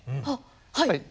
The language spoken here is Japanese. あっはい。